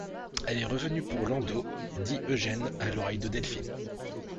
Elle est revenue pour l'endos, dit Eugène à l'oreille de Delphine.